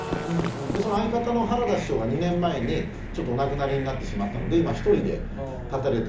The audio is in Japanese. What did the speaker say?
その相方の原田師匠が２年前にちょっとお亡くなりになってしまったので今１人で立たれてるんですけど。